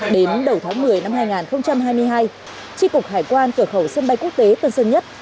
đến đầu tháng một mươi năm hai nghìn hai mươi hai tri cục hải quan cửa khẩu sân bay quốc tế tân sơn nhất